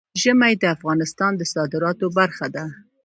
ژمی د افغانستان د صادراتو برخه ده.